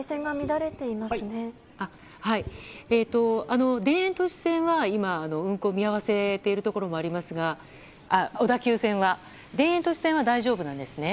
小田急線は今運行を見合わせているところもあるんですが田園都市線は大丈夫なんですね。